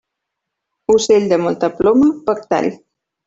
Ocell de molta ploma, poc tall.